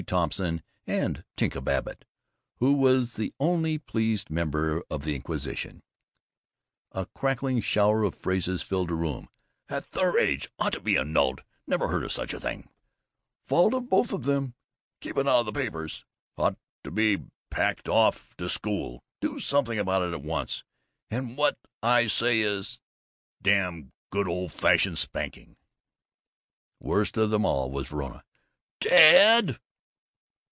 Thompson, and Tinka Babbitt, who was the only pleased member of the inquisition. A crackling shower of phrases filled the room: "At their age " "Ought to be annulled " "Never heard of such a thing in " "Fault of both of them and " "Keep it out of the papers " "Ought to be packed off to school " "Do something about it at once, and what I say is " "Damn good old fashioned spanking " Worst of them all was Verona. "_Ted!